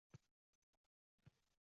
Halol mehnat qil